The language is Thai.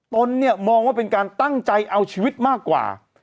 ตนเนี่ยมองว่าเป็นการตั้งใจเอาชีวิตมากกว่า